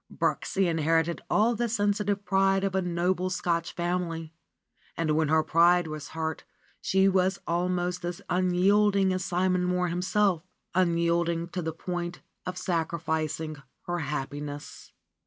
Birksie inherited all the sensitive pride of a noble Scotch family, and 102 RENUNCIATION OF FRA SIMONETTA when her pride was hurt she was almost as unyielding as Simon Mohr himself, unyielding to the point of sacri ficing her happiness.